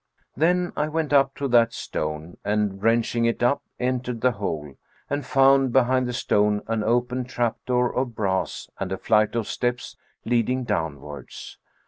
Then I went up to that stone and wrenching it up entered the hole and found behind the stone an open trap door of brass and a flight of steps leading downwards.